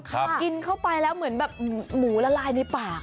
กินเข้าไปแล้วเหมือนแบบหมูละลายในปาก